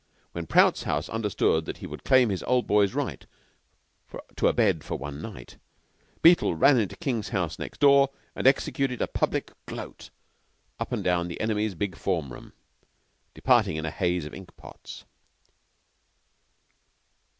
When Prout's house understood that he would claim his Old Boy's right to a bed for one night, Beetle ran into King's house next door and executed a public "gloat" up and down the enemy's big form room, departing in a haze of ink pots.